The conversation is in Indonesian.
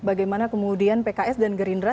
bagaimana kemudian pks dan gerindra